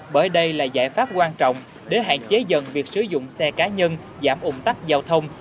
bởi đây là giải pháp quan trọng để hạn chế dần việc sử dụng xe cá nhân giảm ủng tắc giao thông